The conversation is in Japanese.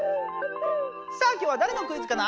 さあ今日はだれのクイズかな？